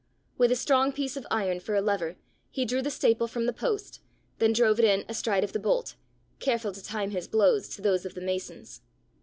With a strong piece of iron for a lever, he drew the staple from the post, then drove it in astride of the bolt, careful to time his blows to those of the masons.